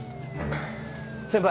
先輩。